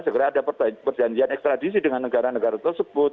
segera ada perjanjian ekstradisi dengan negara negara tersebut